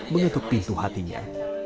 mengetuk pintu hatinya